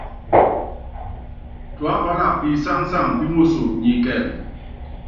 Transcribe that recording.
Tuápála pisáŋsaŋ pímoso ni ikɛŋ.